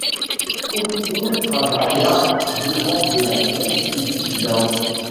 Outhine travailla durant de la guerre civile du Laos.